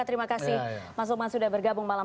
terima kasih mas lukman sudah bergabung malam